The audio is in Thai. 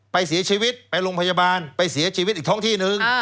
ไปเสียชีวิตไปโรงพยาบาลไปเสียชีวิตอีกท้องที่นึง